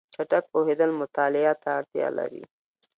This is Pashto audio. چټک پوهېدل مطالعه ته اړتیا لري.